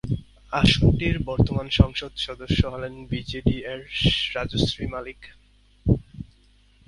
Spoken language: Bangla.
আসনটির বর্তমান সংসদ সদস্য হলেন বিজেডি-এর রাজশ্রী মালিক।